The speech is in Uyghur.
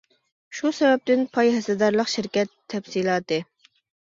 شۇ سەۋەبتىن، پاي ھەسسىدارلىق شىركەت. تەپسىلاتى.